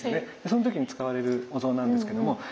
その時に使われるお像なんですけども。